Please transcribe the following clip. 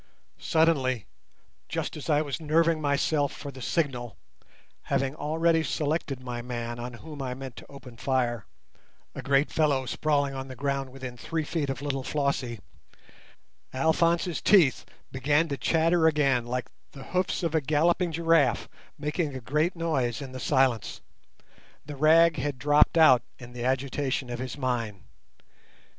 Suddenly, just as I was nerving myself for the signal, having already selected my man on whom I meant to open fire—a great fellow sprawling on the ground within three feet of little Flossie—Alphonse's teeth began to chatter again like the hoofs of a galloping giraffe, making a great noise in the silence. The rag had dropped out in the agitation of his mind.